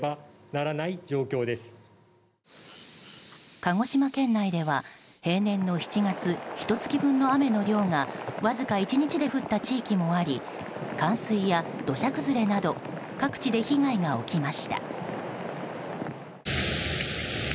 鹿児島県内では平年の７月ひと月分の雨の量がわずか１日で降った地域もあり冠水や土砂崩れなど各地で被害が起きました。